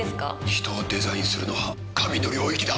人をデザインするのは神の領域だ。